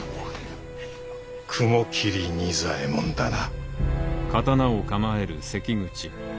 雲霧仁左衛門だな。